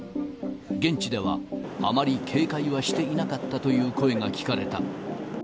現地ではあまり警戒はしていなかったという声が聞かれた。